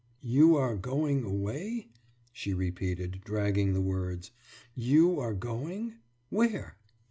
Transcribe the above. « »You are going away?« she repeated, dragging the words. »You are going? Where?